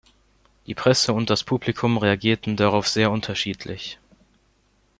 Die Presse und das Publikum reagierten darauf sehr unterschiedlich.